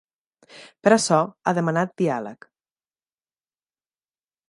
Per açò, ha demanat “diàleg”.